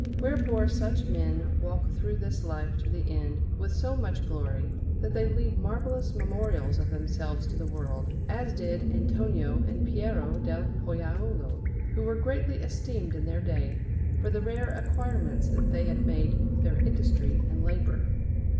Wherefore such men walk through this life to the end with so much glory, that they leave marvellous memorials of themselves to the world, as did Antonio and Piero del Pollaiuolo, who were greatly esteemed in their day for the rare acquirements that they had made with their industry and labour.